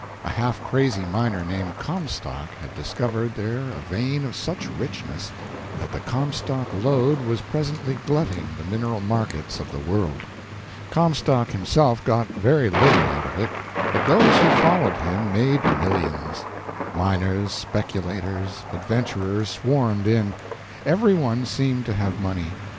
A half crazy miner, named Comstock, had discovered there a vein of such richness that the "Comstock Lode" was presently glutting the mineral markets of the world. Comstock himself got very little out of it, but those who followed him made millions. Miners, speculators, adventurers swarmed in. Every one seemed to have money.